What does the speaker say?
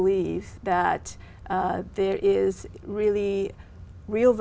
vì vậy cộng đồng lớn nhất